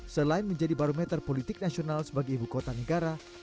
selain menjadi barometer politik nasional sebagai ibu kota negara